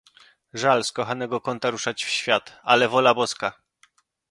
"Żal z kochanego kąta ruszać w świat, ale wola boska!"